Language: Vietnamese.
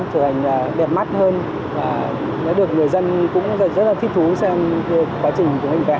thử hành đẹp mắt hơn nó được người dân cũng rất là thích thú xem quá trình mình vẽ